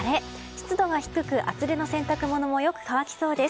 湿度が低く厚手の洗濯物もよく乾きそうです。